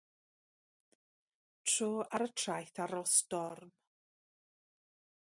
Tro ar y traeth ar ôl storm.